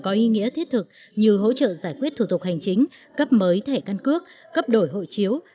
có ý nghĩa thiết thực như hỗ trợ giải quyết thủ tục hành chính cấp mới thẻ căn cước cấp đổi hộ chiếu